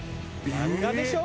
映画でしょ？